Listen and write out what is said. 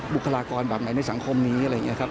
บุคลากรแบบไหนในสังคมนี้อะไรอย่างนี้ครับ